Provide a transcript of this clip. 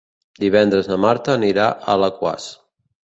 Divendres na Marta anirà a Alaquàs.